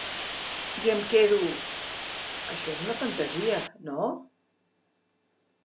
I em quedo… ‘Això és una fantasia, no?’